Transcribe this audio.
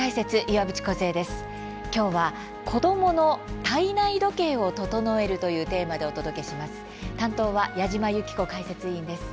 今日は「子どもの体内時計を整える！」というテーマでお届けします。